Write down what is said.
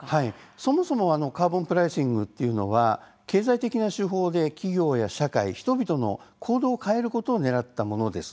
そもそもカーボンプライシングは経済的な手法で企業や社会人々の行動を変えることを狙ったものです。